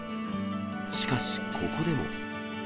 しかしここでも。